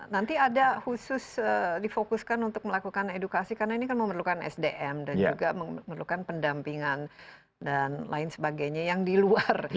nanti ada khusus difokuskan untuk melakukan edukasi karena ini kan memerlukan sdm dan juga memerlukan pendampingan dan lain sebagainya yang di luar